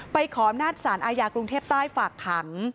ไปขอบนาฏศาสตร์อายากรุงเทพฯใต้ฝักขัง